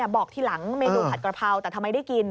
บอกทีหลังเมนูผัดกระเพราแต่ทำไมได้กิน